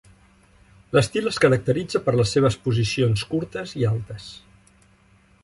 L'estil es caracteritza per les seves posicions curtes i altes.